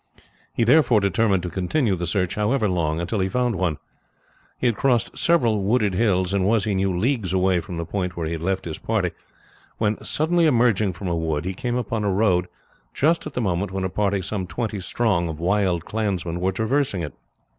He therefore determined to continue the search, however long, until he found one. He had crossed several wooded hills, and was, he knew, leagues away from the point where he had left his party, when, suddenly emerging from a wood, he came upon a road just at the moment when a party some twenty strong of wild clansmen were traversing it.